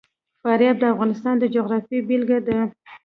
فاریاب د افغانستان د جغرافیې بېلګه ده.